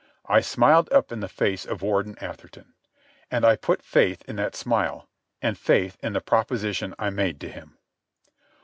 I smiled up in the face of Warden Atherton. And I put faith in that smile, and faith in the proposition I made to him.